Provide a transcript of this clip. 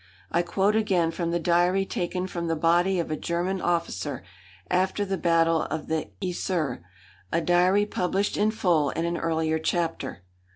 I quote again from the diary taken from the body of a German officer after the battle of the Yser a diary published in full in an earlier chapter.